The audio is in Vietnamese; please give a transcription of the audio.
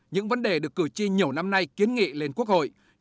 những vấn đề được cử tri nhiều năm nay kiến nghị lên quốc hội